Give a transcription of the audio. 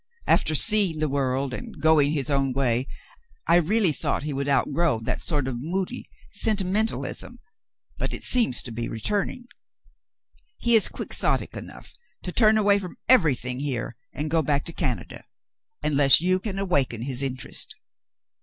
"After seeing the world and going his own way, I really thought he would outgrow that sort of moody sentimentalism, but it seems to be returning. He is quixotic enough to turn away from everything here and go back to Canada, unless you can awaken his interest."